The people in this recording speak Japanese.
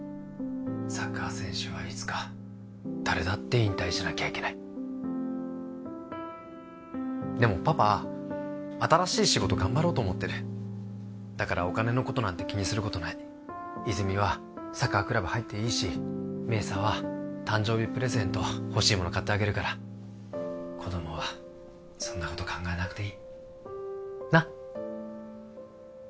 サッカー選手はいつか誰だって引退しなきゃいけないでもパパ新しい仕事頑張ろうと思ってるだからお金のことなんて気にすることない泉実はサッカークラブ入っていいし明紗は誕生日プレゼント欲しいもの買ってあげるから子供はそんなこと考えなくていいなっ？